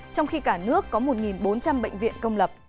trong khi cả nước có một bốn trăm linh bệnh viện công lập